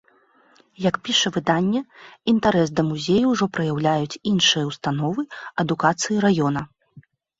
Як піша выданне, інтарэс да музею ўжо праяўляюць іншыя ўстановы адукацыі раёна.